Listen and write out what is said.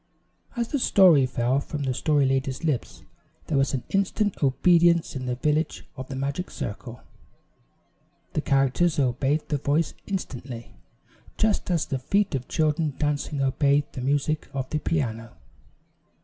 As the story fell from the Story Lady's lips there was instant obedience in the village of the magic circle. The characters obeyed the voice instantly, just as the feet of children dancing obey the music of the piano.